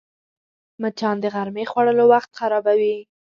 مچان د غرمې خوړلو وخت خرابوي